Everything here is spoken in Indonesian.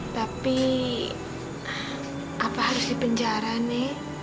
tapi apa harus dipenjara nih